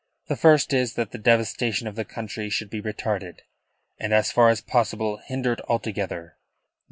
"The first is, that the devastation of the country should be retarded, and as far as possible hindered altogether."